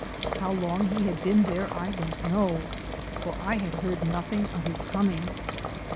How long he had been there I don't know, for I had heard nothing of his coming.